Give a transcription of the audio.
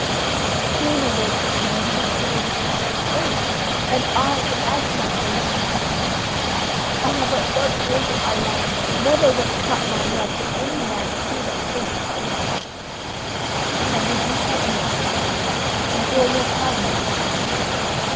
"Truly, Lord Tristan, you do not know he doubts us both. And I, to add to my shame, must acquaint you of it. Ah! but God knows if I lie, never went cut my love to any man but he that first received me. And would you have me, at such a time, implore your pardon of the King?